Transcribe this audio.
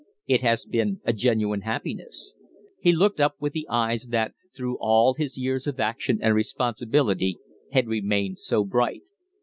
It has been a genuine happiness." He looked up with the eyes that, through all his years of action and responsibility, had remained so bright.